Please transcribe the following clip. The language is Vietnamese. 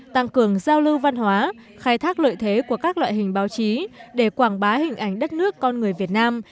tăng cường giao lưu văn hóa khai thác lợi thế của các loại hình báo chí để quảng bá hình ảnh đất nước con người việt nam